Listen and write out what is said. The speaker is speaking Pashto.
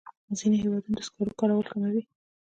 ځینې هېوادونه د سکرو کارول کموي.